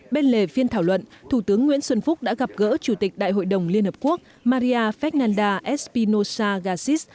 bên lề phiên thảo luận thủ tướng nguyễn xuân phúc đã gặp gỡ chủ tịch đại hội đồng liên hợp quốc maria fernanda espinoza gassis